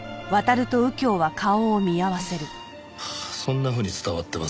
そんなふうに伝わってます？